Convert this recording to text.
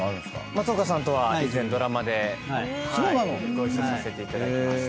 松岡さんとは以前ドラマでご一緒させていただきました。